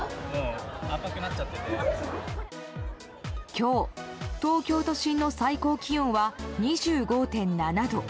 今日、東京都心の最高気温は２５．７度。